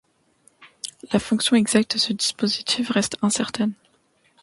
La fonction exacte de ce dispositif reste incertaine.